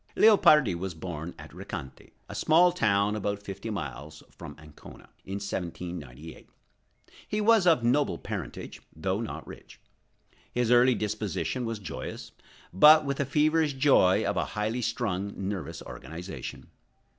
Leopardi was born at Recanati, a small town about fifteen miles from Ancona, in 1798. He was of noble parentage, though not rich. His early disposition was joyous, but with the feverish joy of a highly strung, nervous organization.